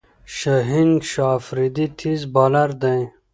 شاهین شاه آفريدي تېز بالر دئ.